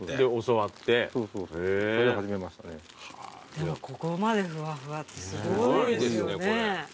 でもここまでふわふわってすごいですよね。